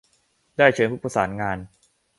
ได้เชิญผู้ประสานงาน